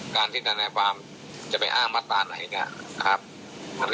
การที่ท่านสองฐานสั่งแจ้ง